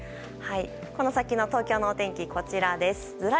この先の東京のお天気がこちら。